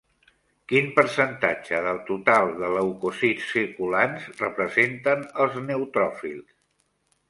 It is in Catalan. Quin percentatge del total de leucòcits circulants representen els neutròfils?